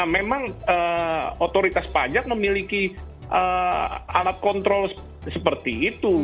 memang otoritas pajak memiliki alat kontrol seperti itu